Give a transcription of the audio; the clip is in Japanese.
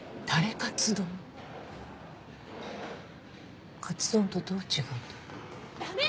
カツ丼とどう違うんだろう？